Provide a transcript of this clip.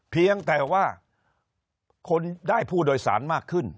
เพียงแต่ว่าคนได้ผู้โดยสารมากขึ้น